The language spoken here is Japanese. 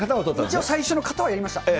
一応、最初の型はやりました。